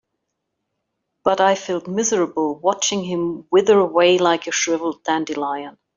But I felt miserable watching him wither away like a shriveled dandelion.